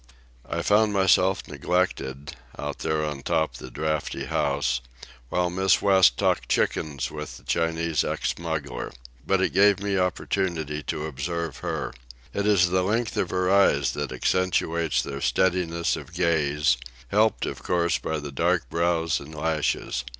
I found myself neglected, out there on top the draughty house, while Miss West talked chickens with the Chinese ex smuggler. But it gave me opportunity to observe her. It is the length of her eyes that accentuates their steadiness of gaze—helped, of course, by the dark brows and lashes.